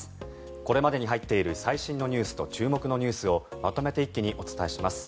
これまでに入っている最新ニュースと注目ニュースをまとめて一気にお伝えします。